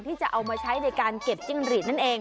ที่จะเอามาใช้ในการเก็บจิ้งหรีดนั่นเอง